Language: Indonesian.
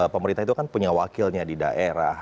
pemerintah itu kan punya wakilnya di daerah